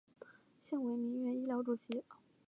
现为铭源医疗主席。